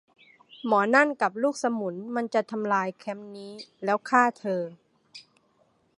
หมอนั่นกับลูกสมุนมันจะทำลายแคมป์นี้ แล้วฆ่าเธอ